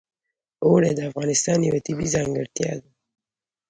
اوړي د افغانستان یوه طبیعي ځانګړتیا ده.